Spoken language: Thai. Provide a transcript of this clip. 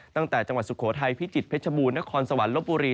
จังหวัดสุโขทัยพิจิตรเพชรบูรณครสวรรค์ลบบุรี